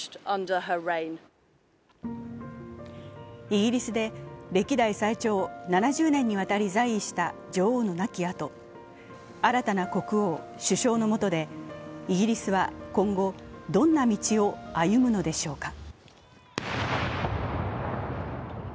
イギリスで歴代最長７０年にわたり在位した女王の亡きあと、新たな国王、首相のもとでイギリスは今後、どんな道を歩むのでしょうか。